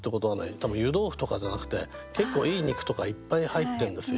多分湯豆腐とかじゃなくて結構いい肉とかいっぱい入ってるんですよ。